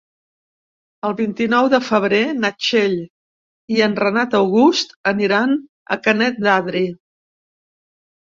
El vint-i-nou de febrer na Txell i en Renat August aniran a Canet d'Adri.